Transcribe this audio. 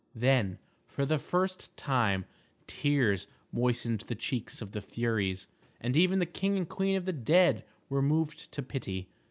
Then, for the first time, tears moistened the cheeks of the Furies, and even the king and queen of the dead were moved to pity.